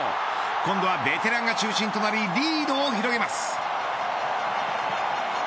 今度はベテランが中心となりリードを広げます。